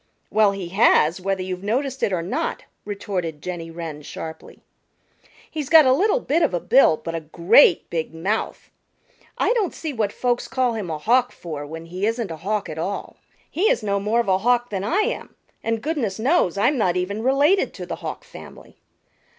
"Well he has, whether you've noticed it or not," retorted Jenny Wren sharply. "He's got a little bit of a bill, but a great big mouth. I don't see what folks call him a Hawk for when he isn't a Hawk at all. He is no more of a Hawk than I am, and goodness knows I'm not even related to the Hawk family."